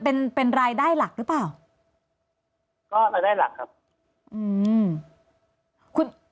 เป็นเป็นรายได้หลักหรือเปล่าก็รายได้หลักครับอืมคุณ